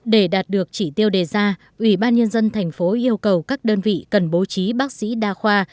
để đạt được chỉ tiêu đề ra ủy ban nhân dân thành phố yêu cầu các đơn vị cần bố trí bác sĩ đa khoa